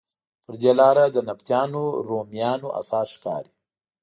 پر دې لاره د نبطیانو، رومیانو اثار ښکاري.